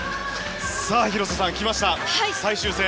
広瀬さん、来ました最終戦。